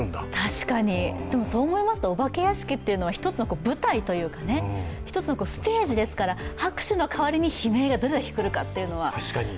確かに、でもそう思いますとお化け屋敷って一つの舞台というか、一つのステージですから拍手の代わりに悲鳴がどれだけ聞けるかというのは。